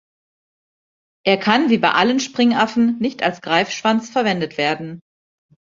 Er kann wie bei allen Springaffen nicht als Greifschwanz verwendet werden.